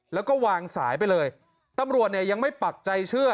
แล้วก็วางสายไปเลยตำรวจเนี่ยยังไม่ปักใจเชื่อ